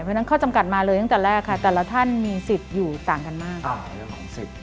เพราะฉะนั้นข้อจำกัดมาเลยตั้งแต่แรกค่ะแต่ละท่านมีสิทธิ์อยู่ต่างกันมาก